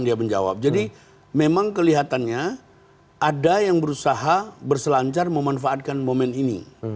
dia menjawab jadi memang kelihatannya ada yang berusaha berselancar memanfaatkan momen ini